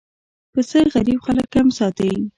پسه غریب خلک هم ساتي.